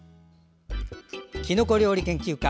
きのこ料理研究家